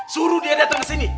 suruh dia datang kesini